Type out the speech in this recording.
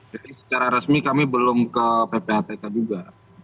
secara resmi kami belum ke ppatk juga